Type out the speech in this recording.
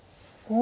お！